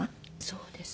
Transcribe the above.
そうです。